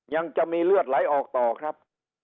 ยังมีเลือดไหลออกต่อครับ